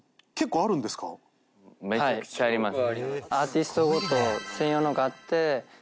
アーティストごと専用のがあって。